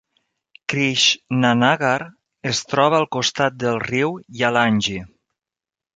Krishnanagar es troba al costat del riu Jalangi.